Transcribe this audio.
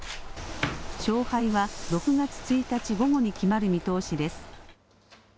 勝敗は６月１日午後に決まる見通しです。